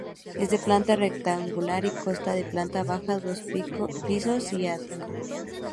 Es de planta rectangular y consta de planta baja, dos pisos y ático.